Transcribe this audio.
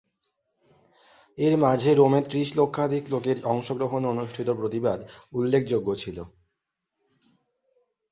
এর মাঝে রোমে ত্রিশ লক্ষাধিক লোক এর অংশগ্রহণে অনুষ্ঠিত প্রতিবাদ উল্লেখযোগ্য ছিল।